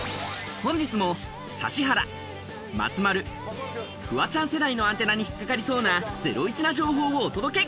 本日も指原、松丸、フワちゃん世代のアンテナに引っ掛かりそうなゼロイチな情報をお届け！